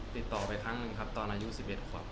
ติดต่อไปครั้งหนึ่งครับตอนอายุ๑๑ขวบ